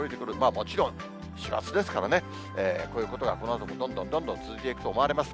もちろん師走ですからね、こういうことがこのあとも、どんどんどんどん続いていくと思われます。